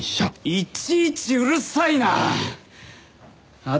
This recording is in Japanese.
いちいちうるさいなあ！